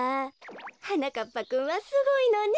はなかっぱくんはすごいのね。